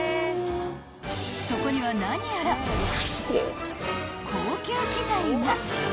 ［そこには何やら高級機材が］